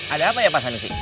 ada apa ya pak hanifik